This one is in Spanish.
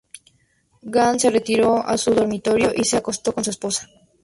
Gandhi se retiró a su dormitorio y se acostó con su esposa.